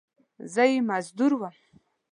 زه یې مزدور وم !